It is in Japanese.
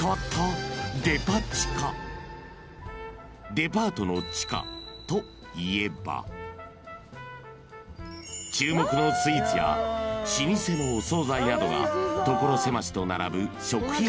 ［デパートの地下といえば注目のスイーツや老舗のお総菜などが所狭しと並ぶ］